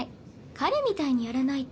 彼みたいにやらないと。